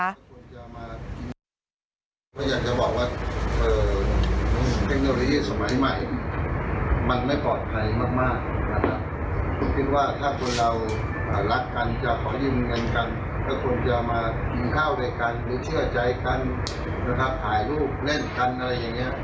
น่าจะดีเนอะได้คุยกันบ้างยินกันกัน